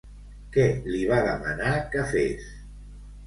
Què li va demanar que fes?